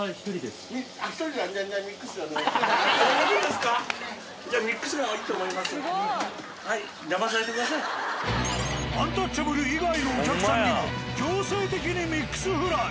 すごい。アンタッチャブル以外のお客さんにも強制的にミックスフライ。